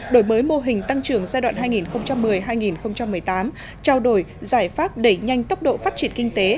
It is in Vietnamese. đổi mới mô hình tăng trưởng giai đoạn hai nghìn một mươi hai nghìn một mươi tám trao đổi giải pháp đẩy nhanh tốc độ phát triển kinh tế